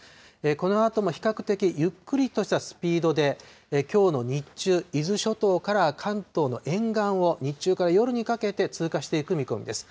このあとも比較的ゆっくりとしたスピードで、きょうの日中、伊豆諸島から関東の沿岸を、日中から夜にかけて通過していく見込みです。